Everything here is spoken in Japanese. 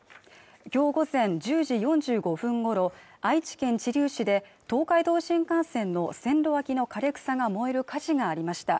今日午前１０時４５分ごろ愛知県知立市で東海道新幹線の線路脇の枯れ草が燃える火事がありました